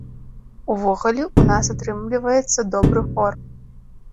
Увогуле, у нас атрымліваецца добры хор.